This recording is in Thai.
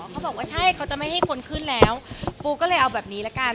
เขาบอกว่าใช่เขาจะไม่ให้คนขึ้นแล้วปูก็เลยเอาแบบนี้ละกัน